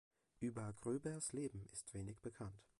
Über Gröbers Leben ist wenig bekannt.